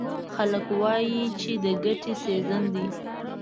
خلک وایي چې د ګټې سیزن دی.